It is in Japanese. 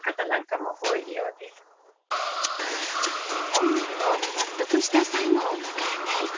本人も納得した最期を迎えたい。